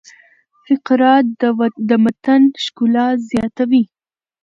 فقره د متن ښکلا زیاتوي.